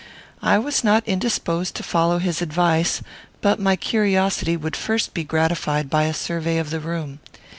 I was not indisposed to follow his advice, but my curiosity would first be gratified by a survey of the room.